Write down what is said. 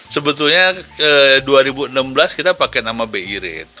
sebetulnya dua ribu enam belas kita pakai nama bi rate